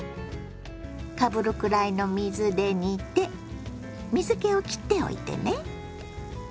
かぶるくらいの水で煮て水けをきっておいてね。